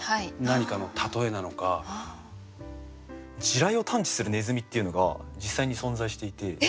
地雷を探知するネズミっていうのが実際に存在していて。